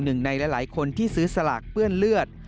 หนึ่งในหลายคนที่ซื้อสลากเปื้อนเลือด